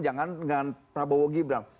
jangan dengan prabowo gibran